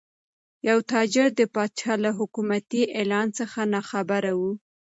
یو تاجر د پادشاه له حکومتي اعلان څخه ناخبره و.